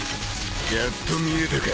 やっと見えたか！？